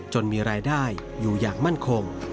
มีรายได้อยู่อย่างมั่นคง